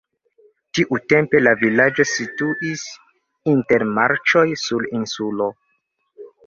Tiutempe la vilaĝo situis inter marĉoj sur insulo.